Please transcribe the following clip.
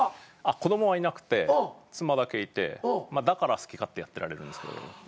子供はいなくて妻だけいてだから好き勝手やってられるんですけど。